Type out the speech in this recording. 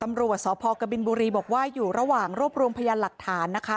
ตำรวจสพกบินบุรีบอกว่าอยู่ระหว่างรวบรวมพยานหลักฐานนะคะ